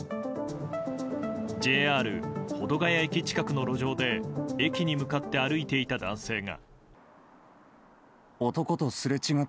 ＪＲ保土ケ谷駅近くの路上で駅に向かって歩いていた男性が。